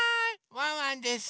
ワンワンです。